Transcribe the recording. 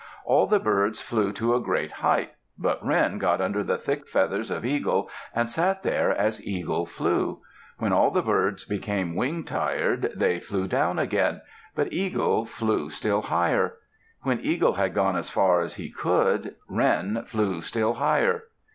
All the birds flew to a great height. But Wren got under the thick feathers of Eagle and sat there as Eagle flew. When all the birds became wing tired, they flew down again; but Eagle flew still higher. When Eagle had gone as far as he could, Wren flew still higher.